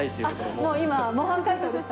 もう今、模範回答でした？